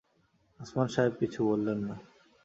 ওসমান সাহেব কিছু বললেন না।